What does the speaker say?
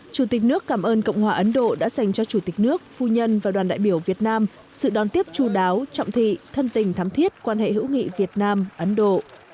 chủ tịch nước cảm ơn cộng hòa ấn độ đã dành cho chủ tịch nước phu nhân và đoàn đại biểu việt nam sự đón tiếp chú đáo trọng thị thân tình thắm thiết quan hệ hữu nghị việt nam ấn độ